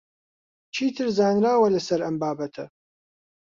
چیتر زانراوە لەسەر ئەم بابەتە؟